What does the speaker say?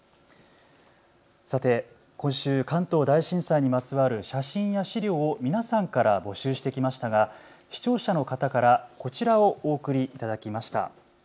さて今週、関東大震災にまつわる写真や資料を皆さんから募集してきましたが視聴者の方からこちらをお送りいただきました。